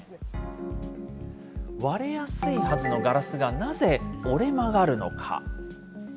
割れやすいはずのガラスがなぜ折れ曲がるのか。